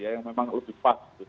yang memang lebih pas